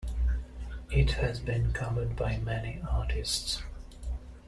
It has been covered by many artists.